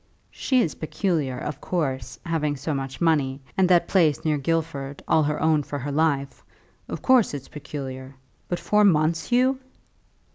"She is peculiar, of course, having so much money, and that place near Guildford, all her own for her life. Of course it's peculiar. But four months, Hugh!"